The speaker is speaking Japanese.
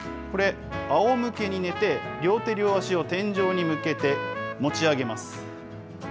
これ、あおむけに寝て、両手、両足を天井に向けて持ち上げます。